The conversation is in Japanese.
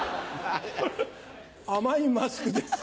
甘いマスクです。